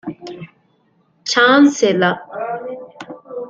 ޗާންސެލަރ